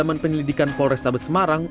halaman penyelidikan polres sabah semarang